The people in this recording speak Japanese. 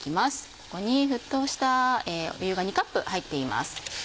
ここに沸騰した湯が２カップ入っています。